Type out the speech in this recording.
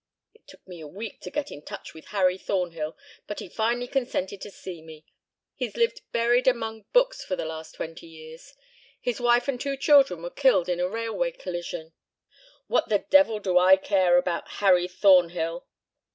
"It took me a week to get in touch with Harry Thornhill, but he finally consented to see me. He's lived buried among books for the last twenty years. His wife and two children were killed in a railway collision " "What the devil do I care about Harry Thornhill!"